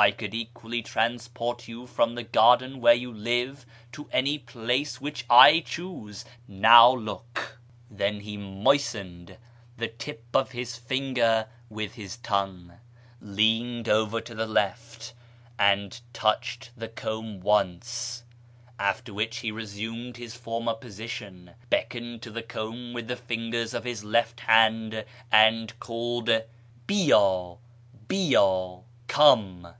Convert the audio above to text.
I could equally transport you from the garden where you live to any place which I chose. Now look." Then he moistened the tip of his finger with his tongue, leaned over to the left, and touched the comb once, after which he resumed his former position, beckoned to the comb with the fingers of his left hand, and called " Bi yd, hi yd" ("Come!